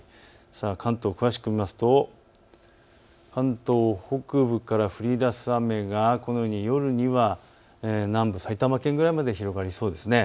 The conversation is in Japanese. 関東、詳しく見ますと関東北部から降りだす雨が夜には南部、埼玉県ぐらいまで広がりそうですね。